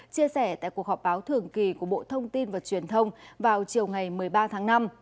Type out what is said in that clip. chia sẻ tại cuộc họp báo thường kỳ của bộ thông tin và truyền thông vào chiều ngày một mươi ba tháng năm